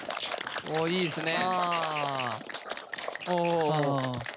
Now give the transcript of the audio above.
おおいいですね。